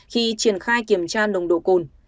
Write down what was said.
khi triển khai kiểm tra nồng độ cồn